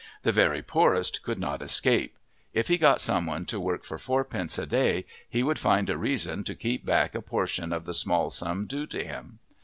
The very poorest could not escape; if he got some one to work for fourpence a day he would find a reason to keep back a portion of the small sum due to him.